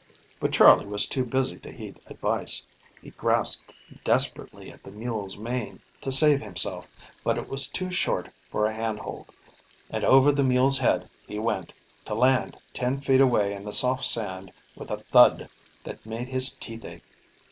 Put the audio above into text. But Charley was too busy to heed advice. He grasped desperately at the mule's mane to save himself, but it was too short for a hand hold, and over the mule's head he went, to land ten feet away in the soft sand with a thud that made his teeth ache.